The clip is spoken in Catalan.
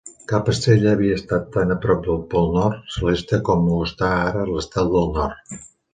Cap estrella havia estat tan a prop del pol Nord celeste com ho està ara l'Estel del Nord.